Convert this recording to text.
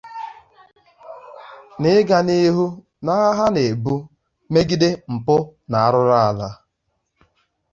N'ịga n'ihu n'agha ha a na-ebu megide mpụ na arụrụala